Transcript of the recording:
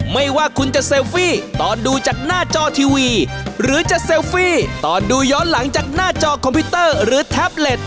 ไม่ว่าคุณจะเซลฟี่ตอนดูจากหน้าจอทีวีหรือจะเซลฟี่ตอนดูย้อนหลังจากหน้าจอคอมพิวเตอร์หรือแท็บเล็ต